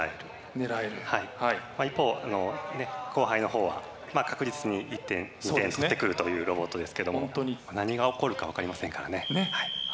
一方後輩のほうは確実に一点一点取ってくるというロボットですけども何が起こるか分かりませんからね。